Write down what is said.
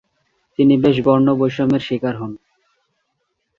তিনি বেশ বর্ণবৈষম্যের শিকার হন।